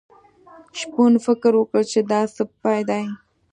شپون فکر وکړ چې دا سپی دی.